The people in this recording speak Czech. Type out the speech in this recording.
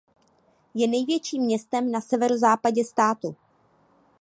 Je největším městem na severozápadě státu.